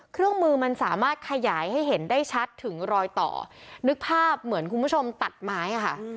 เครื่องมือมันสามารถขยายให้เห็นได้ชัดถึงรอยต่อนึกภาพเหมือนคุณผู้ชมตัดไม้อ่ะค่ะ